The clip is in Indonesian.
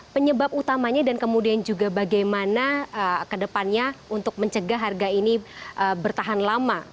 penyebab utamanya dan kemudian juga bagaimana kedepannya untuk mencegah harga ini bertahan lama